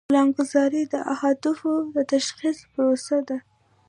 پلانګذاري د اهدافو د تشخیص پروسه ده.